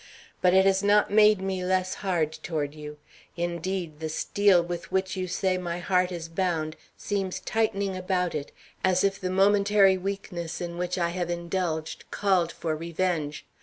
But it has not made me less hard toward you; indeed, the steel with which you say my heart is bound seems tightening about it, as if the momentary weakness in which I have indulged called for revenge.